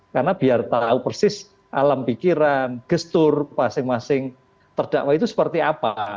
karena biar tahu persis alam pikiran gestur masing masing terdakwa itu seperti apa